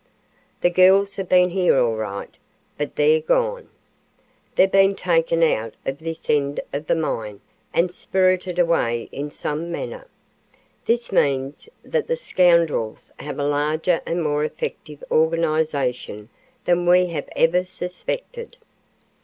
The girls have been here all right, but they're gone. They've been taken out of this end of the mine and spirited away in some manner. This means that the scoundrels have a larger and more effective organization than we have ever suspected.